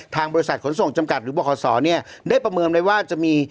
ทางบริษัทขนส่งจำกัดหรือบขศเนี่ยได้ประเมินไว้ว่าจะมี